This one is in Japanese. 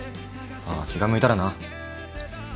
ああ気が向いたらな。